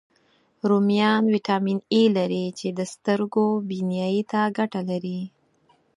رومیان ویټامین A لري، چې د سترګو بینایي ته ګټه کوي